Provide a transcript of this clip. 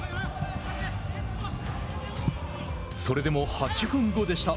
それでも８分後でした。